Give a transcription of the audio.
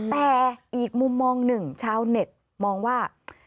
แต่อีกมุมมองหนึ่งชาวเน็ตมองว่า